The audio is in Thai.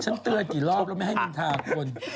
เตือนกี่รอบแล้วไม่ให้นินทาคน